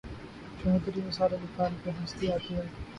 چوہدری نثار علی خان پہ ہنسی آتی ہے۔